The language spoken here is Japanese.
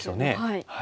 はい。